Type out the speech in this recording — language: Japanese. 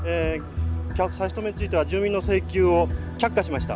差し止めについては住民の請求を却下しました。